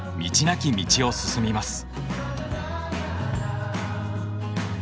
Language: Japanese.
なき道を進みます。